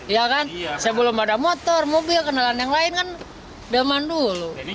iya kan saya belum ada motor mobil kenalan yang lain kan delman dulu